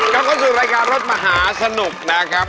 กลับเข้าสู่รายการรถมหาสนุกนะครับ